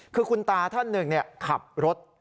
คือคุณตาท่านหนึ่งขับรถ